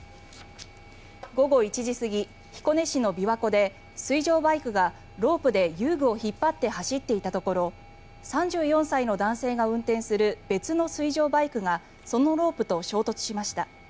午後１時過ぎ、彦根市の琵琶湖で水上バイクがロープで遊具を引っ張って走っていたところ３４歳の男性が運転する別の水上バイクがそのロープと衝突しました。